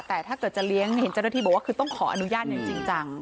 แต่ถ้าเกิดจะเลี้ยงเห็นเจ้าหน้าที่บอกว่าคือต้องขออนุญาตอย่างจริงจัง